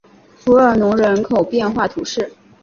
弗尔农人口变化图示